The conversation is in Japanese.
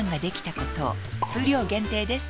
数量限定です